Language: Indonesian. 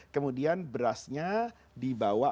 kemudian berasnya dibawa